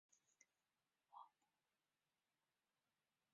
沃普瓦松。